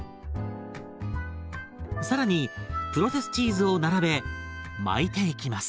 更にプロセスチーズを並べ巻いていきます。